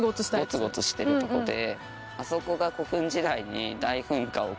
ゴツゴツしてるとこで。